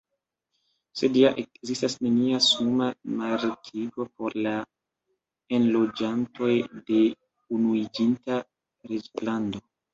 Sed ja ekzistas nenia suma markigo por la enloĝantoj de Unuiĝinta Reĝlando.